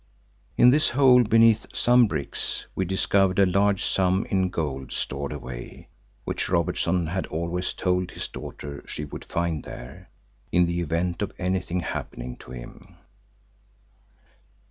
In this hole beneath some bricks, we discovered a large sum in gold stored away, which Robertson had always told his daughter she would find there, in the event of anything happening to him.